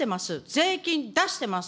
税金出してます。